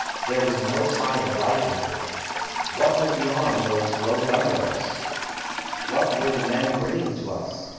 There was no sign of life in her. What was behind those low gunwales? What were the men bringing to us?